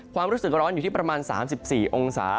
ความรู้สึกร้อนอยู่ที่ประมาณ๓๔องศา